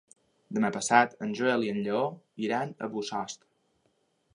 Demà passat en Joel i en Lleó iran a Bossòst.